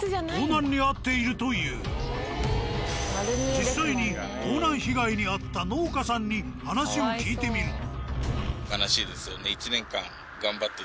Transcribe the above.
実際に盗難被害に遭った農家さんに話を聞いてみると。